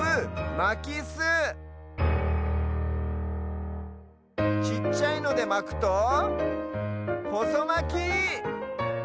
まきすちっちゃいのでまくとほそまき！